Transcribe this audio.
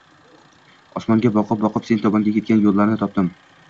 Osmonga boqib-boqib sen tomonga ketgan yo’llarni topdim.